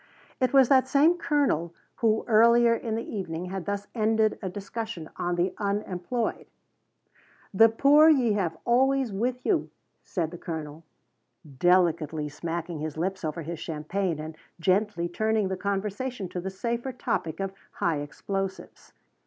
It was that same colonel who, earlier in the evening, had thus ended a discussion on the unemployed. "The poor ye have always with you," said the Colonel, delicately smacking his lips over his champagne and gently turning the conversation to the safer topic of high explosives.